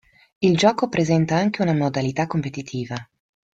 Il gioco presenta anche una modalità competitiva.